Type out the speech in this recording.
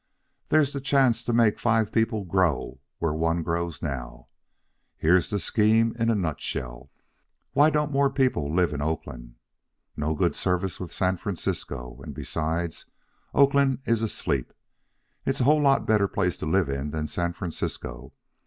There's the chance to make five people grow where one grows now. Here's the scheme in a nutshell. Why don't more people live in Oakland? No good service with San Francisco, and, besides, Oakland is asleep. It's a whole lot better place to live in than San Francisco.